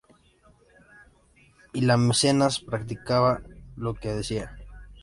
Y la mecenas practicaba lo que decía.